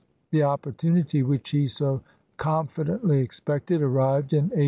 The opportunity which he so confidently expected ar rived in 1814.